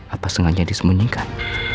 apa sengaja disemunyikan